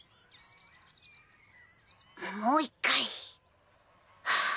もう一回はぁ！